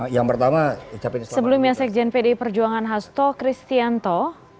yang pertama sebelumnya sekjen pdi perjuangan hasto kristianto